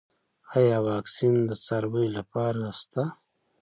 آیا واکسین د څارویو لپاره شته؟